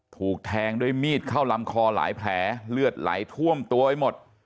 ถูกแทงด้วยมีดเข้าลำคอหลายแผลเลือดไหลท่วมตัวไปหมด